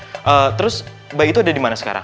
ee terus bayi itu ada dimana sekarang